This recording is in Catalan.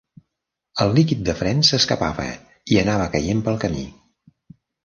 El líquid de frens s'escapava i anava caient pel camí.